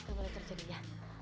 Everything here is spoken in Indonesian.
gak boleh terjadi ya